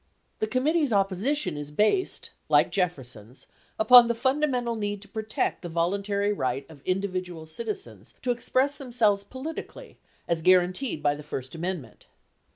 573 The committee's opposition is based like Jefferson's upon the funda mental need to protect the voluntary right of individual citizens to express themselves politically as guaranteed by the first amendment.